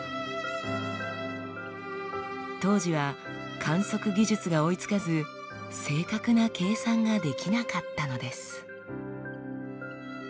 当時は観測技術が追いつかず正確な計算ができなかったのです。